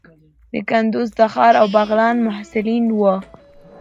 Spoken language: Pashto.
د کندوز، تخار او بغلان محصلین وو.